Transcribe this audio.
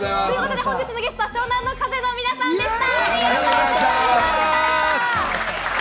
本日のゲスト、湘南乃風の皆さんでした。